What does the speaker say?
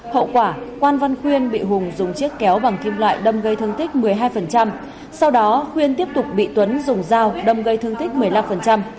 hậu quả quan văn khuyên bị hùng dùng chiếc kéo bằng kim loại đâm gây thương tích một mươi hai sau đó khuyên tiếp tục bị tuấn dùng dao đâm gây thương tích một mươi năm